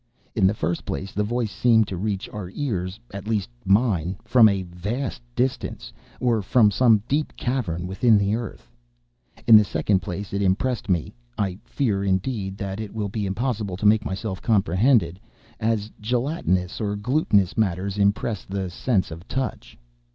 In the first place, the voice seemed to reach our ears—at least mine—from a vast distance, or from some deep cavern within the earth. In the second place, it impressed me (I fear, indeed, that it will be impossible to make myself comprehended) as gelatinous or glutinous matters impress the sense of touch.